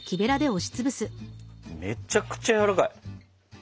めちゃくちゃやわらかい。